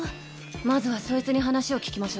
まずはそいつに話を聞きましょ。